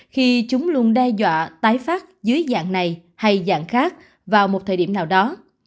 khi chúng luôn đe dọa tái phát dưới dạng này hay dạng khác vào một thời điểm nào đó